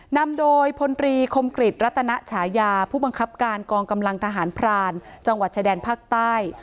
นำโดยพลตรีคมกริจรัตนฉายาผู้บังคับการกองกำลังทหารพรานจังหวัดชายแดนภาคใต้